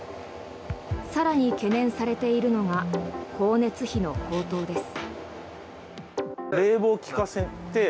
更に懸念されているのが光熱費の高騰です。